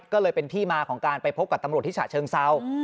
ก็เลยเป็นที่มาของการไปพบกับตำรวจที่ฉะเชิงเซา